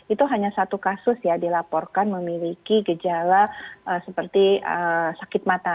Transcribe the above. itu hanya satu kasus ya dilaporkan memiliki gejala seperti sakit mata